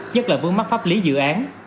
nhất là vướng mắc pháp lý dự án